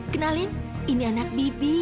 kenalin ini anak bibi